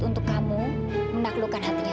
untuk kamu menaklukkan hatinya